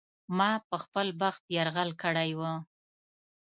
ما په خپل بخت یرغل کړی و.